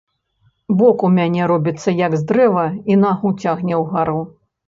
Бок у мяне робіцца як з дрэва і нагу цягне ўгару.